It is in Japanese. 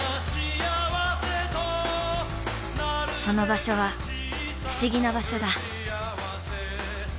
その場所は不思議な場所だ。